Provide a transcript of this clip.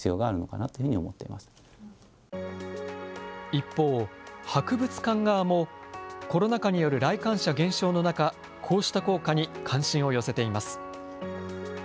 一方、博物館側も、コロナ禍による来館者減少の中、こうした効果に関心を寄せています。